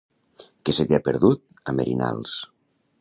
Què se t'hi ha perdut, a Merinals?